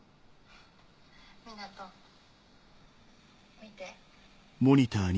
湊人見て。